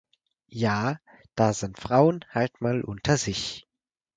Ja, da sind Frauen halt mal unter sich.